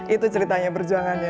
itu ceritanya perjuangannya